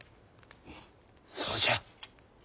そうじゃ。